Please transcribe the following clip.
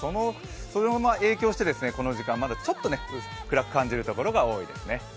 その影響してこの時間、まだちょっと暗く感じるところが多いですね。